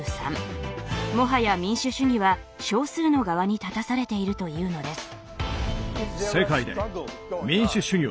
もはや民主主義は少数の側に立たされているというのです。